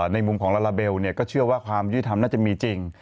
ในมุมของลาลาเบลก็เชื่อว่าความยุติธรรมน่าจะมีจริง